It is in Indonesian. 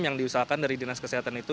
yang diusahakan dari dinas kesehatan itu